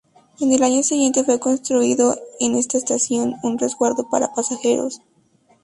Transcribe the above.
En el año siguiente, fue construido, en esta estación, un resguardo para pasajeros.